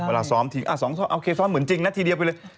เวลาซ้อมทีโอเคซ้อมเหมือนจริงนะทีเดียวไปเลย